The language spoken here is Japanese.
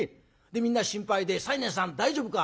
でみんな心配で『西念さん大丈夫か？